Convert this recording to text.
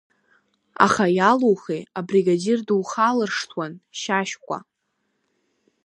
Аха иалухи, абригадир духалыршҭуан Шьашькәа.